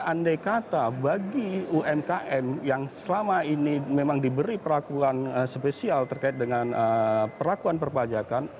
andai kata bagi umkm yang selama ini memang diberi perlakuan spesial terkait dengan perlakuan perpajakan